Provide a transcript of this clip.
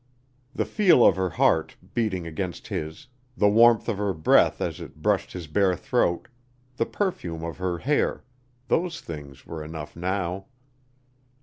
The feel of her heart beating against his, the warmth of her breath as it brushed his bare throat, the perfume of her hair those things were enough now.